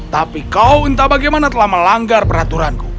tapi kau entah bagaimana telah melanggar peraturanku